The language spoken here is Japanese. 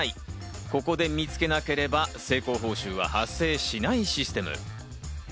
ここで見つけなければ成功報酬は発生しないシステム。